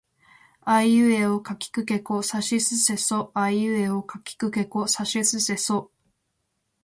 あいうえおかきくけこさしすせそあいうえおかきくけこさしすせそ